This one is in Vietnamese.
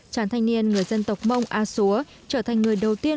chàng thanh niên người dân tộc mông a xúa trở thành người đầu tiên